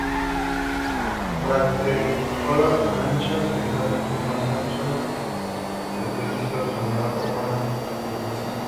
Bracteolas tan anchas o ligeramente más anchas que el pedicelo, triangular-ovadas, pubescentes.